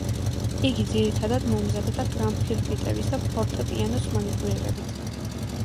იგი ძირითადად მომზადდა გრამფირფიტების და ფორტეპიანოს მანიპულირებით.